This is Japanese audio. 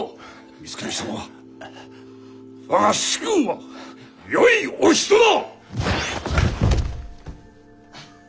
光圀様は我が主君はよいお人だ！